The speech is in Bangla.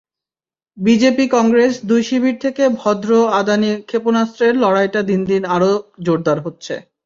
বিজেপি-কংগ্রেস দুই শিবির থেকে ভদ্র-আদানি ক্ষেপণাস্ত্রের লড়াইটা দিন দিন আরও জোরদার হচ্ছে।